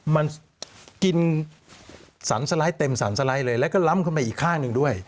มันกินสรรสไลด์เต็มสรรสไลด์เลยแล้วก็ล้ำเข้าไปอีกข้างหนึ่งด้วย